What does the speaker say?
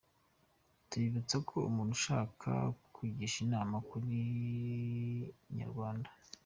Tubibutse ko umuntu ushaka kugisha inama kuri inyarwanda.